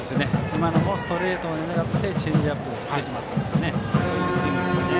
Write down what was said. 今のもストレートを狙ってチェンジアップを振ってしまったそういうスイングでしたね。